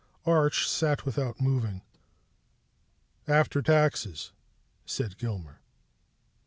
Arch sat without moving. "After taxes," said Gilmer.